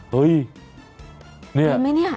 เฮ่ยเห็นไหมเนี่ย